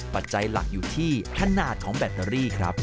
ปัจจัยหลักอยู่ที่ขนาดของแบตเตอรี่ครับ